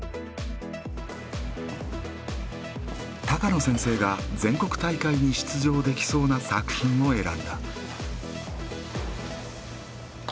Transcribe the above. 高野先生が全国大会に出場できそうな作品を選んだ。